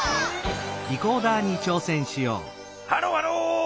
ハロハロー。